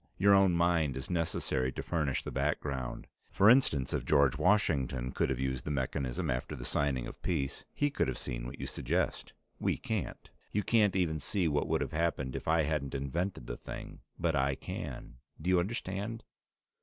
Your own mind is necessary to furnish the background. For instance, if George Washington could have used the mechanism after the signing of peace, he could have seen what you suggest. We can't. You can't even see what would have happened if I hadn't invented the thing, but I can. Do you understand?"